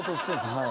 はい。